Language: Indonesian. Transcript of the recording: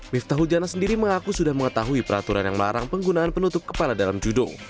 lifta hujanah sendiri mengaku sudah mengetahui peraturan yang melarang penggunaan penutup kepala dalam judo